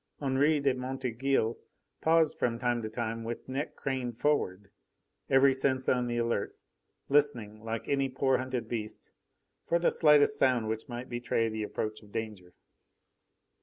Henri de Montorgueil paused from time to time, with neck craned forward, every sense on the alert, listening, like any poor, hunted beast, for the slightest sound which might betray the approach of danger.